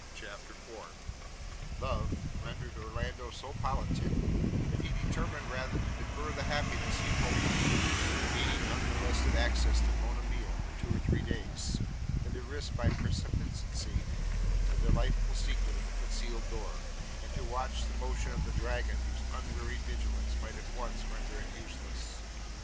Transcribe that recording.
CHAPTER IV LOVE rendered Orlando so politic, that he determined rather to defer the happiness he hoped for, in gaining unmolested access to Monimia for two or three days, than to risk by precipitancy the delightful secret of the concealed door, and to watch the motion of the dragon whose unwearied vigilance might at once render it useless.